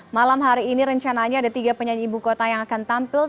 malam hari ini rencananya ada tiga penyanyi ibu kota yang akan tampil